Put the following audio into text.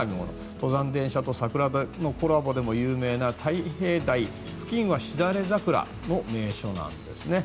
登山電車と桜のコラボでも有名なタイヘイダイ付近はシダレザクラの名所なんですね。